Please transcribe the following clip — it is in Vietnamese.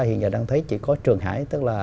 hiện giờ đang thấy chỉ có trường hải tức là